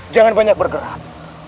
jangan banyak bergerak